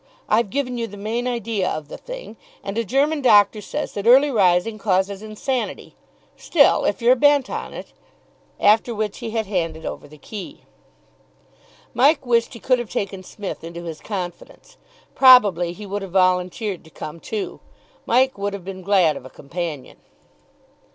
I've given you the main idea of the thing; and a German doctor says that early rising causes insanity. Still, if you're bent on it " After which he had handed over the key. Mike wished he could have taken Psmith into his confidence. Probably he would have volunteered to come, too; Mike would have been glad of a companion.